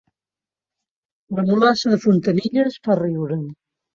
La mulassa de Fontanilles fa riure